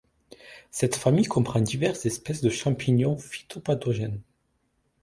Cette famille comprend diverses espèces de champignons phytopathogènes.